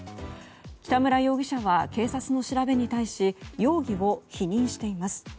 北村容疑者は警察の調べに対し容疑を否認しています。